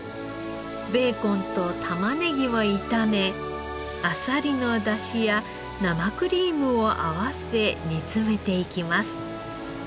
ベーコンと玉ねぎを炒めアサリの出汁や生クリームを合わせ煮詰めていきます。